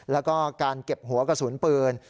แล้วก็การเก็บหัวกระสุนปืน